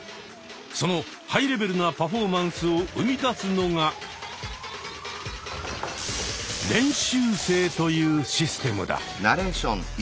そのハイレベルなパフォーマンスを生み出すのが「練習生」というシステムだ。